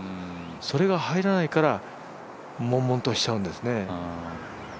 それが入らないから、もんもんとしちゃうんですね。